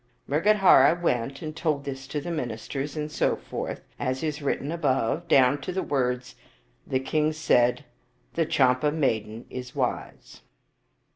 Mrgadhara went and told this to the ministers, and so forth, as is written above, down to the words, " The king said, ' The Champa maiden is wise.